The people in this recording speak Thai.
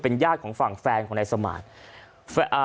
เป็นญาติของฝั่งแฟนของนายสมารปรุง